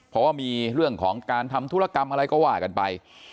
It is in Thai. เพราะว่ามีเรื่องของการทำธุรกรรมอะไรก็ว่ากันไป